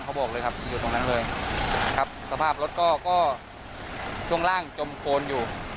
เขาบอกเลยครับอยู่ตรงนั้นเลยครับสภาพรถก็ก็ช่วงล่างจมโคนอยู่